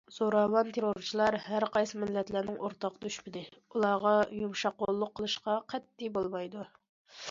زوراۋان، تېررورچىلار ھەر قايسى مىللەتلەرنىڭ ئورتاق دۈشمىنى، ئۇلارغا يۇمشاق قوللۇق قىلىشقا قەتئىي بولمايدۇ.